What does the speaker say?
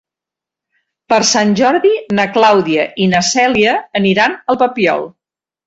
Per Sant Jordi na Clàudia i na Cèlia aniran al Papiol.